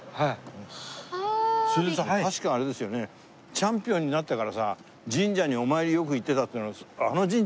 チャンピオンになってからさ神社にお参りよく行ってたっていうのはあの神社？